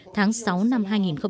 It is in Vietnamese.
tháng sáu năm hai nghìn một mươi bốn